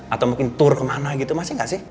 atau mungkin tour kemana gitu masih gak sih